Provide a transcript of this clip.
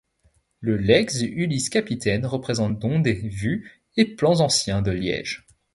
Le legs Ulysse Capitaine représente dont des vues et plans anciens de Liège.